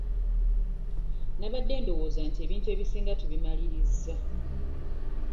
Nabadde ndowooza nti ebintu ebisinga tubimalirizza.